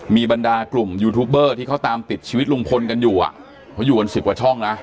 มีบรรดากลุ่มยูทูบเบอร์ที่เขาตามติดชีวิตลุงพลกันอยู่อ่ะเขาอยู่กันสิบกว่าช่องนะ